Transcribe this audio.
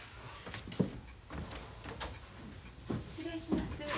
失礼します。